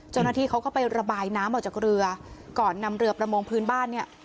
เจ้าหน้าที่เขาก็ไประบายน้ำออกจากเรือก่อนนำเรือประมงพื้นบ้านเนี่ย